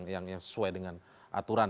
yang sesuai dengan aturan